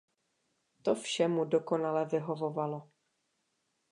To vše mu dokonale vyhovovalo.